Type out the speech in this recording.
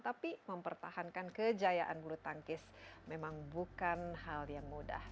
tapi mempertahankan kejayaan bulu tangkis memang bukan hal yang mudah